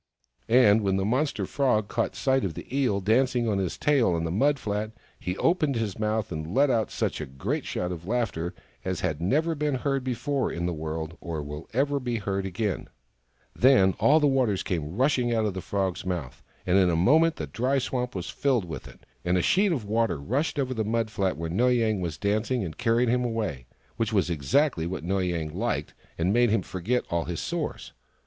And when the monster Frog caught sight of the Eel dancing on his tail on the mud flat, he opened his mouth and let out such a great shout of laughter as had never been heard before in the world or will ever be heard again. Then all the waters came rushing out of the Frog's mouth, and in a moment the dry swamp was filled with it, and a sheet of water rushed over the mud THE FROG THAT LAUGHED 127 flat where Noy Yang was dancing, and carried him away — which was exactly what Noy Yang hked, and made him forget all his sores.